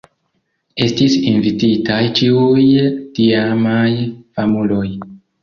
Estis invititaj ĉiuj tiamaj famuloj.